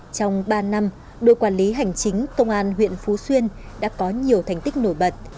trong ba năm đội quản lý hành chính công an huyện phú xuyên đã có nhiều thành tích nổi bật